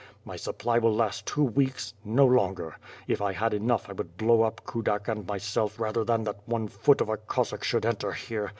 My supply will last two weeks — no longer. If I had enough, I would blow up Kudak and my self rather than that one foot of a Cossack should enter here.